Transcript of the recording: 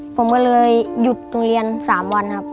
ผมก็เลยหยุดโรงเรียน๓วันครับ